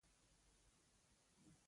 زړه د بدن لپاره حیاتي فعالیتونه ترسره کوي.